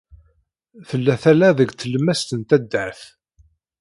Tella tala deg tlemmast n taddart.